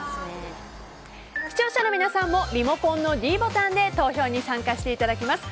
視聴者の皆さんもリモコンのｄボタンで投票に参加していただきます。